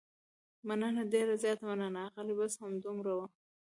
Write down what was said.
مننه، ډېره زیاته مننه، اغلې، بس همدومره و.